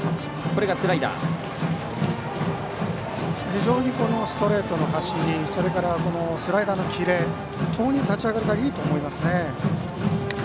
非常にストレートの走りスライダーのキレともに立ち上がりからいいと思います。